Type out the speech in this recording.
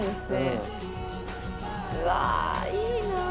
うわいいな。